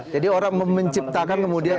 jadi orang menciptakan kemudian